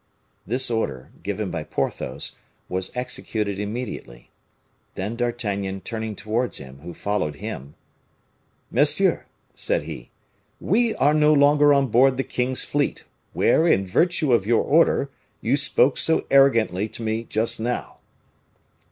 This order, given by Porthos, was executed immediately. Then D'Artagnan, turning towards him who followed him: "Monsieur," said he, "we are no longer on board the king's fleet, where, in virtue of your order, you spoke so arrogantly to me, just now."